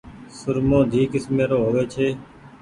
سرمو ڌي ڪيسمي رو هووي ڇي۔